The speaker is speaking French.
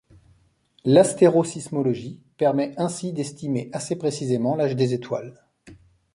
L'astérosismologie permet ainsi d'estimer assez précisément l'âge des étoiles.